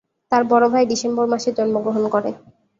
তার বড় ভাই ডিসেম্বর মাসে জন্মগ্রহণ করে।